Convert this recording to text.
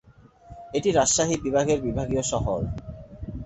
এটি রাজশাহী বিভাগের বিভাগীয় শহর।